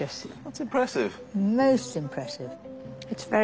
はい。